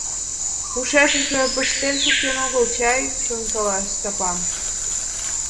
Ушешыже пыштен шуктен огыл чай», — шонкала Стапан.